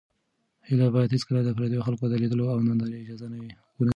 هیله باید هېڅکله د پردیو خلکو د لیدلو او نندارې اجازه ونه لري.